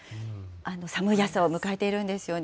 寒い朝を迎えているんですよね。